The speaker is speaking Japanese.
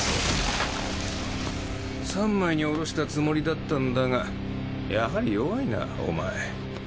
３枚におろしたつもりだったんだがやはり弱いなお前。